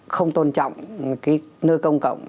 không tôn trọng cái nơi công cộng